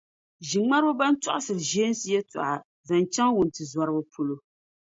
ʒiŋmariba bɛn tɔɣisiri ʒeensi yɛtɔɣa zaŋ chaŋ wuntizɔriba polo.